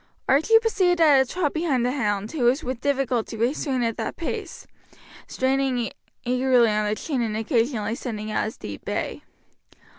Archie proceeded at a trot behind the hound, who was with difficulty restrained at that pace, straining eagerly on the chain and occasionally sending out his deep bay.